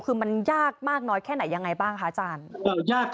คือมันยากมากน้อยแค่ไหนยังไงบ้างคะอาจารย์